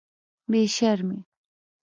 بې شرمې.